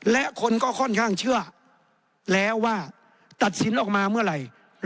และคนก็ค่อนข้างเชื่อแล้วว่าตัดสินออกมาเมื่อไหร่